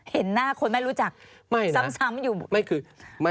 เห็นหน้าคนไม่รู้จักซ้ำอยู่